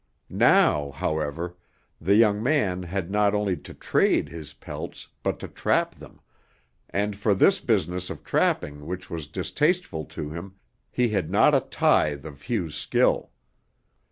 Now, however, the young man had not only to trade his pelts but to trap them, and for this business of trapping which was distasteful to him, he had not a tithe of Hugh's skill.